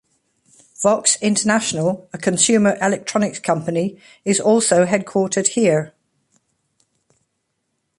Voxx International, a consumer electronics company, is also headquartered here.